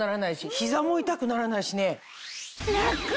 膝も痛くならないしね。